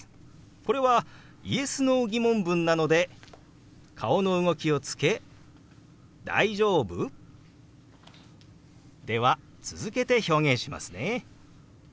これはＹｅｓ／Ｎｏー疑問文なので顔の動きをつけ「大丈夫？」。では続けて表現しますね。